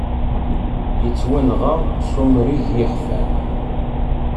Yettwanɣa s umrig yeḥfan.